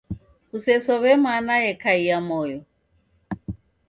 Kusesow'e mana yekaia moyo.